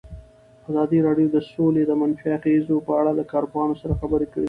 ازادي راډیو د سوله د منفي اغېزو په اړه له کارپوهانو سره خبرې کړي.